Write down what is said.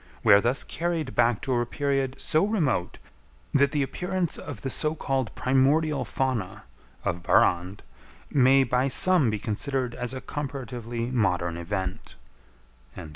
We are thus carried back to a period so remote, that the appearance of the so called primordial fauna (of Barrande) may by some be considered as a comparatively modern event."